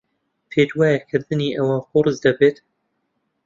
پێت وایە کردنی ئەوە قورس دەبێت؟